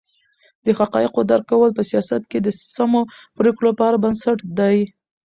د حقایقو درک کول په سیاست کې د سمو پرېکړو لپاره بنسټ دی.